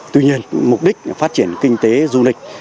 tuy nhiên mục đích phát triển kinh tế du lịch